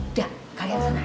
udah kalian sana aja